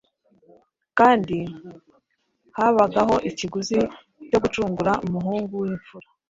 kandi habagaho ikiguzi cyo gucungura umuhungu w’imfura.